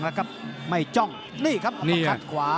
และก็ไม่จ้องนี่คับอปแพเอลฟรอกัดขวา